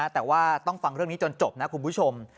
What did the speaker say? แต่ว่าต้องฟังเรื่องนี้จนจบนะคุณผู้ชม